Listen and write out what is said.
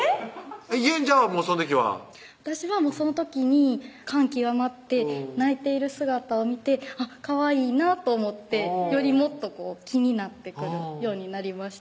ゆんじゃんはその時は私はその時に感極まって泣いている姿を見てかわいいなと思ってよりもっと気になってくるようになりました